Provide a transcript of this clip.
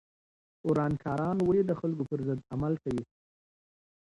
ورانکاران ولې د خلکو پر ضد عمل کوي؟